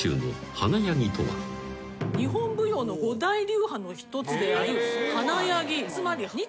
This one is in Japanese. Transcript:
日本舞踊の五大流派の一つであり。